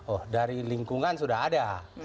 oh dari lingkungan sudah ada